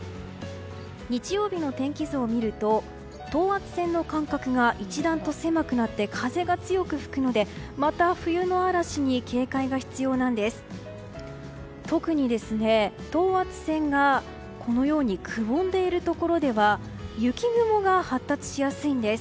日曜日の天気図を見ると等圧線の間隔が一段と狭くなって風が強く吹くのでまた冬の嵐に警戒が必要なんです。